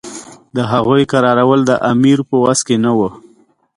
د هغوی کرارول د امیر په وس نه وو.